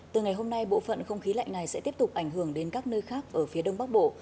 từ ngày hôm nay bộ phận không khí lạnh này sẽ tiếp tục ảnh hưởng đến các nơi khác ở phía đông bắc bộ